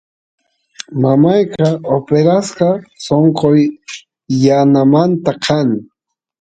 mamayqa operasqa sonqo yanamanta kan